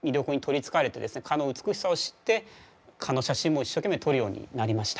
蚊の美しさを知って蚊の写真も一生懸命撮るようになりました。